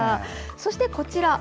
そして、こちら。